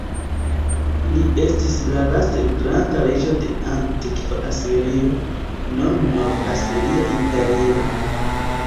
Li estis la laste granda reĝo de antikva Asirio, nome Nov-Asiria Imperio.